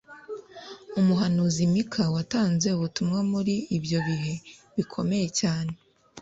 umuhanuzi mika watanze ubutumwa muri ibyo bihe bikomeye cyane